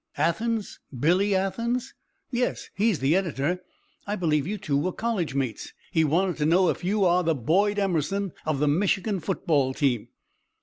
"Athens! Billy Athens?" "Yes! He is the editor. I believe you two were college mates. He wanted to know if you are the Boyd Emerson of the Michigan football team."